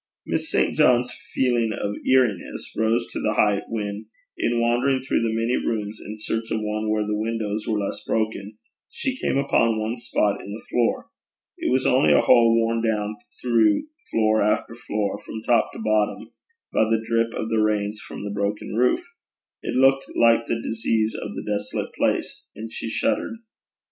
Miss St. John's feeling of eeriness rose to the height when, in wandering through the many rooms in search of one where the windows were less broken, she came upon one spot in the floor. It was only a hole worn down through floor after floor, from top to bottom, by the drip of the rains from the broken roof: it looked like the disease of the desolate place, and she shuddered.